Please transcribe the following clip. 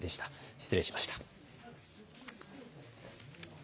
失礼しました。